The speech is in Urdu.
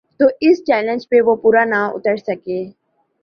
تو اس چیلنج پہ وہ پورا نہ اتر سکے۔